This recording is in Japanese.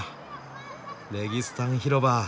レギスタン広場。